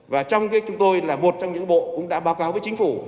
và trong chúng tôi là một trong những bộ cũng đã báo cáo với chính phủ